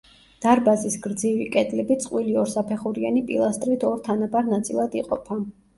დარბაზის გრძივი კედლები წყვილი ორსაფეხურიანი პილასტრით ორ თანაბარ ნაწილად იყოფა.